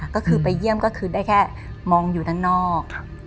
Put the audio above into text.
ก็คือไปเยี่ยมก็คือได้แค่มองอยู่ด้านนอก